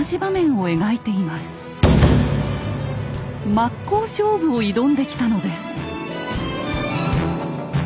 真っ向勝負を挑んできたのです。